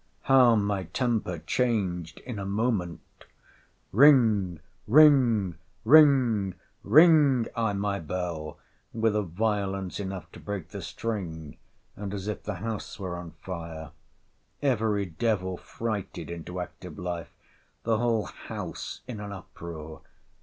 How my temper changed in a moment!—Ring, ring, ring, ring, I my bell, with a violence enough to break the string, and as if the house were on fire. Every devil frighted into active life: the whole house in an uproar.